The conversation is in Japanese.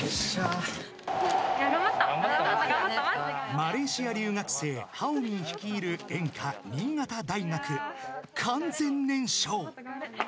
［マレーシア留学生ハオミン率いる演歌新潟大学完全燃焼］